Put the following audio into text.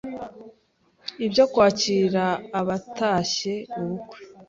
ibyo kwakira abatashye ubukwe,